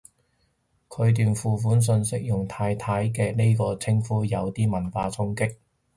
佢段付款訊息用太太呢個稱呼，有啲文化衝擊